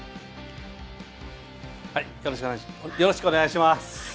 よろしくお願いします。